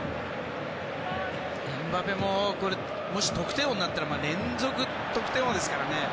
エムバペももし得点王になったら連続得点王ですからね。